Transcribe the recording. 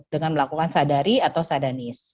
dengan melakukan sadari atau sadanis